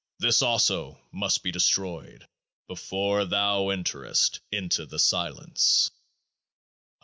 This also must be destroyed before thou enterest into The Silence.